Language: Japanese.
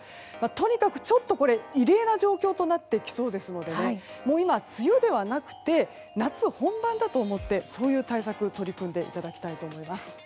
とにかくちょっと異例な状況となってきそうですので今、梅雨ではなくて夏本番だと思ってそういう対策に取り組んでいただきたいと思います。